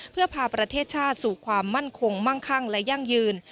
เพื่อพาประเทศชาติสู่ความมั่นคงมั่งคั่งและยั่งยืน